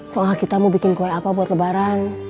soalnya kita mau bikin kue apa buat lebaran